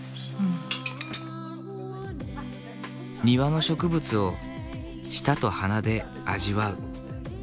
庭の植物を舌と鼻で味わう。